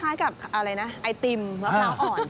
คล้ายกับอะไรนะไอติมมะพร้าวอ่อน